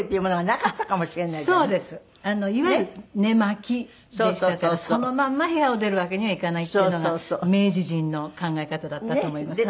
いわゆる寝間着でしたからそのまま部屋を出るわけにはいかないっていうのが明治人の考え方だったと思います。